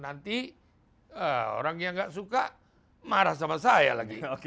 nanti orang yang gak suka marah sama saya lagi